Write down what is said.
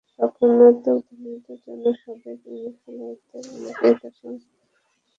রক্ষণাত্মক অধিনায়কত্বের জন্য সাবেক ইংলিশ খেলোয়াড়দের অনেকেই তাঁর সমালোচনা করেছেন অনেকবার।